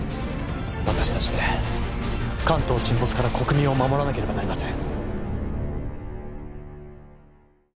私達で関東沈没から国民を守らなければなりません